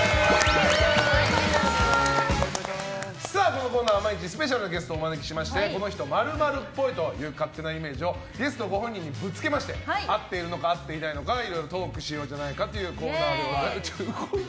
このコーナーは毎日スペシャルなゲストをお招きしてこの人○○っぽいという勝手なイメージをゲストご本人にぶつけて合っているのか合っていないのかトークしようというコーナーです。